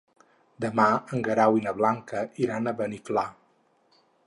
Demà en Guerau i na Blanca iran a Beniflà.